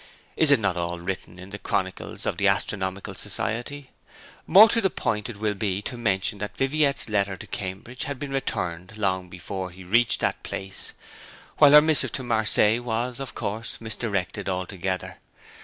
Is it not all written in the chronicles of the Astronomical Society? More to the point will it be to mention that Viviette's letter to Cambridge had been returned long before he reached that place, while her missive to Marseilles was, of course, misdirected altogether.